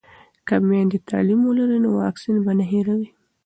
که میندې تعلیم ولري نو واکسین به نه هیروي.